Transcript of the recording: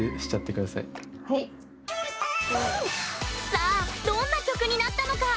さあ、どんな曲になったのか。